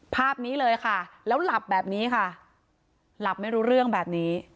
ภาพนี้เลยค่ะแล้วหลับแบบนี้ค่ะหลับไม่รู้เรื่องแบบนี้